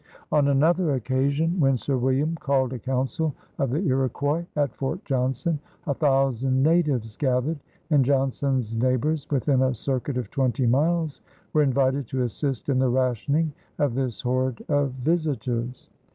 On another occasion, when Sir William called a council of the Iroquois at Fort Johnson, a thousand natives gathered, and Johnson's neighbors within a circuit of twenty miles were invited to assist in the rationing of this horde of visitors.